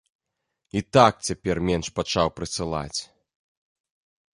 І так цяпер менш пачаў прысылаць.